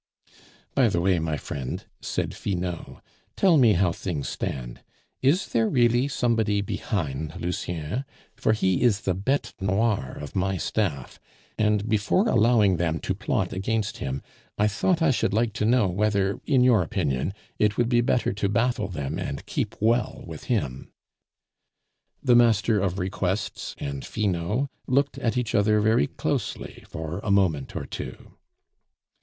"By the way, my friend," said Finot, "tell me how things stand. Is there really somebody behind Lucien? For he is the bete noire of my staff; and before allowing them to plot against him, I thought I should like to know whether, in your opinion, it would be better to baffle them and keep well with him." The Master of Requests and Finot looked at each other very closely for a moment or two.